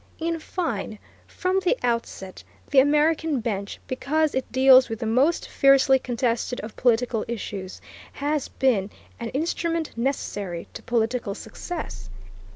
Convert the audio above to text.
In fine, from the outset, the American bench, because it deals with the most fiercely contested of political issues, has been an instrument necessary to political success.